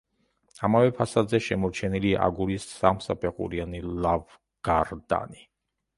ამავე ფასადზე შემორჩენილია აგურის სამსაფეხურიანი ლავგარდანი.